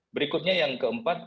berikutnya yang keempat